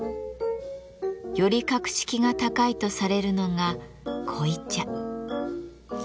より格式が高いとされるのが濃茶。